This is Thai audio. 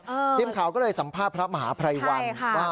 พี่เบียบข่าวก็เลยสัมภาพพระมหาพรายวรรณ